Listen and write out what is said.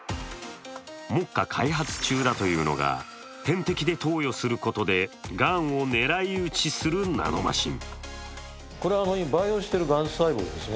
目下開発中だというのが点滴で投与することでがんを狙い撃ちするナノマシン。